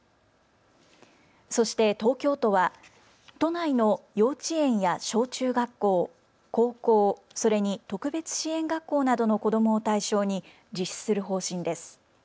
そして東京都は都内の幼稚園や小中学校、高校、それに特別支援学校などの子どもを対象に実施する方針です。